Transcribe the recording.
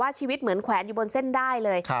ชีวิตเหมือนแขวนอยู่บนเส้นได้เลย